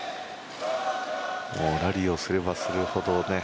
ラリーをすればするほどね